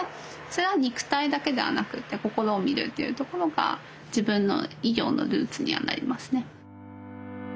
それは肉体だけではなくて心をみるっていうところが自分の医療のルーツにはなりますね。